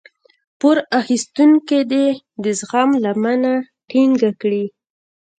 پور اخيستونکی دې د زغم لمنه ټينګه کړي.